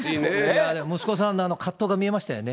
息子さんの葛藤が見えましたよね。